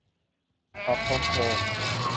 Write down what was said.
ดอกชงโค